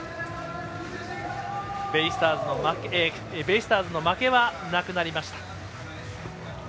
ベイスターズの負けはなくなりました。